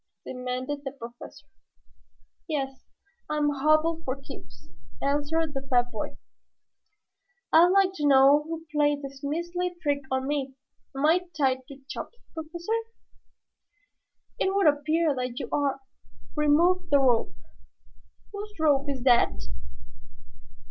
demanded the Professor. "Yes, I'm hobbled for keeps," answered the fat boy. "I'd like to know who played this measly trick on me. Am I tied to Chops, Professor?" "It would appear that you are. Remove the rope. Whose rope is that?"